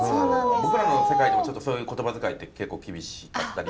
僕らの世界でもちょっとそういう言葉遣いって結構厳しかったり。